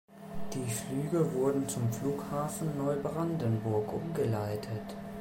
Die Flüge wurden zum Flughafen Neubrandenburg umgeleitet.